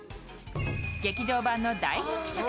劇場版の大人気作